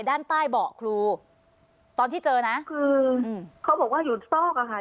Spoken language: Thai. ด้านใต้เบาะครูตอนที่เจอนะคืออืมเขาบอกว่าอยู่ซอกอะค่ะ